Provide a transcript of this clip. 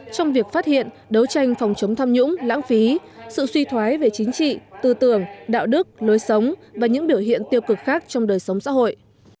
trong việc phát hiện đấu tranh phòng chống tham nhũng lãng phí sự suy thoái về chính trị tư tưởng đạo đức lối sống và những biểu hiện tiêu cực khác trong đời sống xã hội